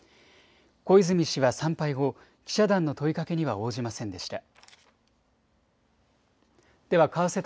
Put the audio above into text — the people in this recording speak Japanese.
小泉氏は参拝後記者団の問いかけには応じませんでした。